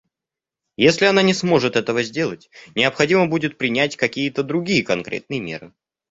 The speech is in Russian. Если она не сможет этого сделать, необходимо будет принять какие-то другие конкретные меры.